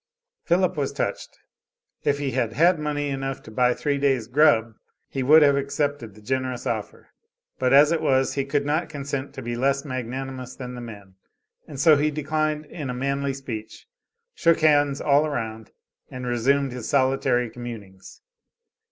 Philip was touched. If he had had money enough to buy three days' "grub" he would have accepted the generous offer, but as it was, he could not consent to be less magnanimous than the men, and so he declined in a manly speech; shook hands all around and resumed his solitary communings.